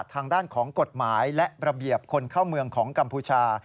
ทางด้านของกฎหมายและระเบียบคนเข้าเมืองของกัมพูชา